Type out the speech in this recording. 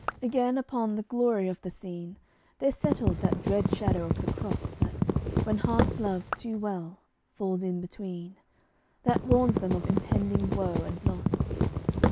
Again upon the glory of the scene There settled that dread shadow of the cross That, when hearts love too well, falls in between; That warns them of impending woe and loss.